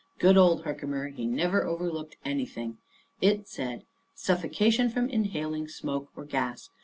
Good old Herkimer, he never overlooked anything! It said: Suffocation from Inhaling Smoke or Gas.